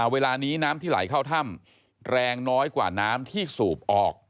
เวลานี้น้ำที่ไหลเข้าถ้ำแรงน้อยกว่าน้ำที่สูบออก